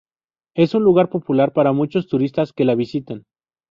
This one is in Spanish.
Es un lugar popular para muchos turistas que la visitan.